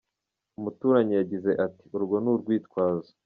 Umuturanyi yagize ati :« Urwo ni urwitwazo.